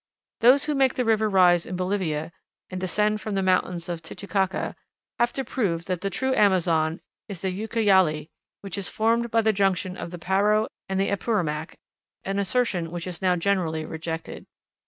Those who make the river rise in Bolivia, and descend form the mountains of Titicaca, have to prove that the true Amazon is the Ucayali, which is formed by the junction of the Paro and the Apurimac an assertion which is now generally rejected.